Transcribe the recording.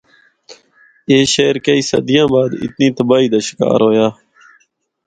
اے شہر کئی صدیاں بعد اتنی تباہی دا شکار ہویا۔